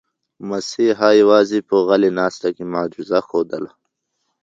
مسیحا یوازې په غلې ناسته کې معجزه ښودله.